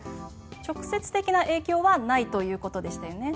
直接的な影響はないということでしたよね。